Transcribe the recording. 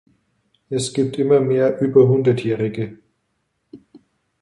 Es gibt immer mehr über Hundertjährige.